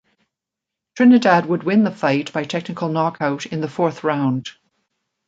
Trinidad would win the fight by technical knockout in the fourth round.